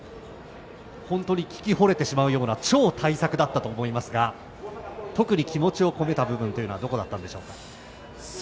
本当に聞きほれてしまうような超大作だったと思いますが特に気持ちを込めた部分はどこだったんでしょうか。